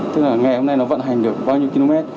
tức là ngày hôm nay nó vận hành được bao nhiêu km